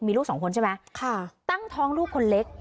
มีลูก๒คนใช่ไหมต้องท้องลูกคนเล็ก